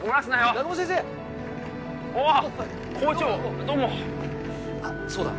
南雲先生あっ校長どうもあっそうだ